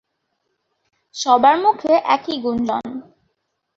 সবার মুখে একই গুঞ্জন।